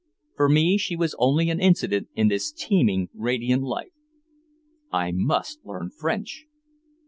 For me she was only an incident in this teeming radiant life. I must learn French!